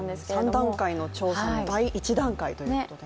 ３段階の調査の第１段階ということでね。